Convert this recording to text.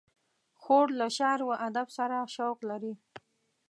خور له شعر و ادب سره شوق لري.